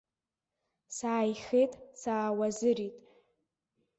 Сааихеит, саауазырит.